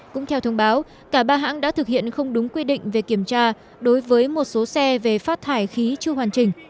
cũng theo thông báo cả ba hãng đã thực hiện không đúng quy định về kiểm tra đối với một số xe về phát thải khí chưa hoàn chỉnh